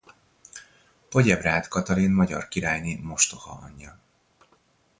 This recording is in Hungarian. Podjebrád Katalin magyar királyné mostohaanyja.